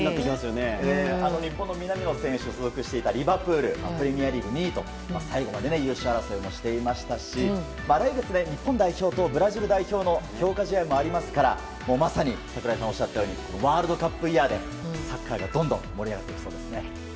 日本の南野選手が所属していたリバプールはプレミアリーグ２位と最後まで優勝争いもしていましたし来月、日本代表とブラジル代表の強化試合もありますからまさに櫻井さんがおっしゃったようにワールドカップイヤーでサッカーがどんどん盛り上がっていきそうですね。